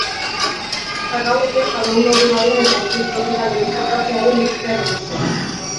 Kakahuete, palmondo olioaren eta zur tropikalen esportazioa du industria nagusia.